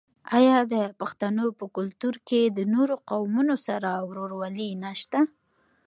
آیا د پښتنو په کلتور کې د نورو قومونو سره ورورولي نشته؟